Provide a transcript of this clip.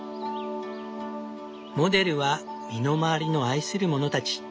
モデルは身の回りの愛するものたち。